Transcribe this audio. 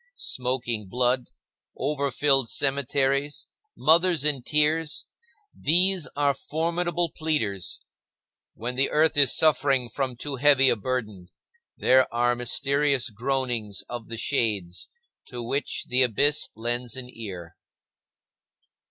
Smoking blood, over filled cemeteries, mothers in tears,—these are formidable pleaders. When the earth is suffering from too heavy a burden, there are mysterious groanings of the shades, to which the abyss lends an ear.